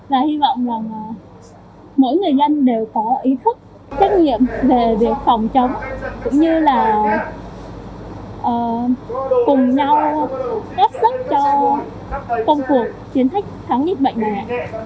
và hy vọng là mỗi người dân đều có ý thức trách nhiệm về việc phòng chống cũng như là cùng nhau ép sức cho công cuộc chiến thách thắng dịch bệnh này